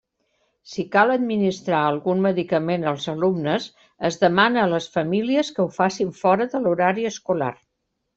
Si cal administrar algun medicament als alumnes, es demana a les famílies que ho facin fora de l'horari escolar.